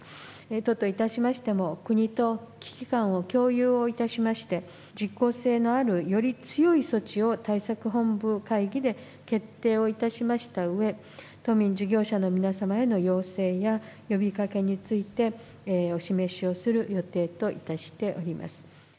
都といたしましても、国と危機感を共有をいたしまして、実効性のあるより強い措置を、対策本部会議で決定をいたしましたうえ、都民、事業者の皆様への要請や呼びかけについて、お示しをする予定といたしております。